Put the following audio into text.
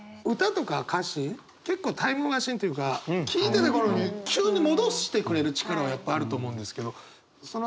歌とか歌詞結構タイムマシーンというか聴いてた頃に急に戻してくれる力はやっぱあると思うんですけど。